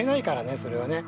それはね。